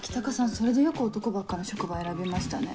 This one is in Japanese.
それでよく男ばっかの職場選びましたね。